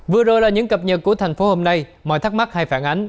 vừa rồi là những cập nhật của thành phố hôm nay mọi thắc mắc hay phản ánh